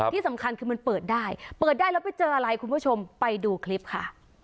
ที่สำคัญคือมันเปิดได้เปิดได้แล้วไปเจออะไรคุณผู้ชมไปดูคลิปค่ะ